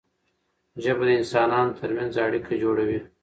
ژبه د انسانانو ترمنځ اړیکه جوړوي.